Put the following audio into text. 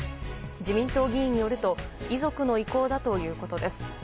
自民党議員によると遺族の意向だということです。